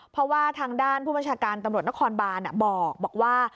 เพราะว่าทางด้านผู้บัญชาการตำรวจนครบานบอกว่า